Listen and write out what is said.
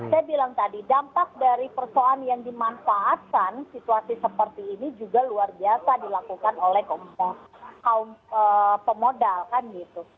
saya bilang tadi dampak dari persoalan yang dimanfaatkan situasi seperti ini juga luar biasa dilakukan oleh kaum pemodal kan gitu